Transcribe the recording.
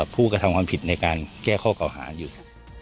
ผู้กระทำความผิดในการแก้ข้อเก่าหาอยู่